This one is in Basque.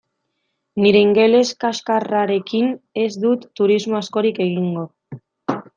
Nire ingeles kaxkarrarekin ez dut turismo askorik egingo.